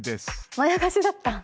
まやかしだった。